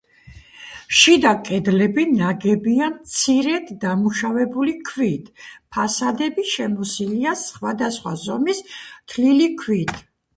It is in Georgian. შიდა კედლები ნაგებია მცირედ დამუშავებული ქვით, ფასადები შემოსილია სხვადასხვა ზომის თლილი ქვით.